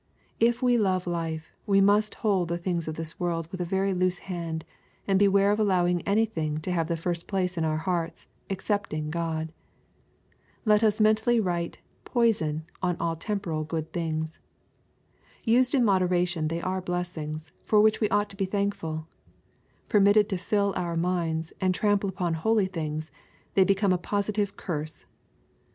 If we love life, we must hold the things of this world with a very loose hand, and beware of allowing anything to have thJfirst place In our hearts, excepting God. Let us mentally write "poison'' on all temporal good things. Used in moderation they are blessings, for which we ought to be thankful. Permitted to fill our minds, and trample upon holy things, they become a positive curse.